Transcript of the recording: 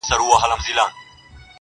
چي امیر خلک له ځانه وه شړلي،